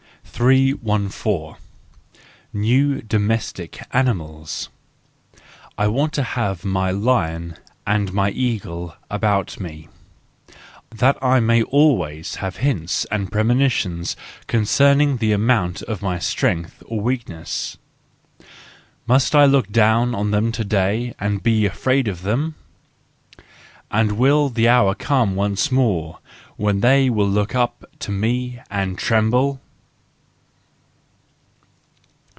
314 New Domestic Animals .—I want to have my lion and my eagle about me, that I may always have hints and premonitions concerning the amount of my strength or weakness. Must I look down on them to day, and be afraid of them? And will the hour come once more when they will look up to me, and tremble